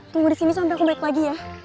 tunggu di sini sampai aku balik lagi ya